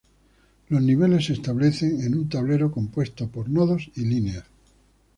Los niveles se establecen en un tablero compuesto por nodos y líneas.